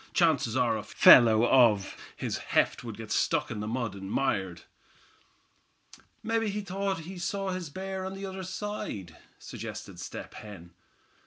"Chances are a fellow of his heft would get stuck in the mud and mired." "Mebbe he thought he saw his bear on the other side," suggested Step Hen.